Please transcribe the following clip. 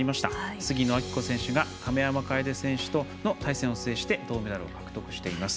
杉野明子選手が亀山楓選手との対戦を制して銅メダルを獲得しています。